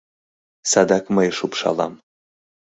Садак мые шупшалам.